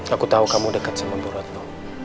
aku tahu kamu dekat sama buratmu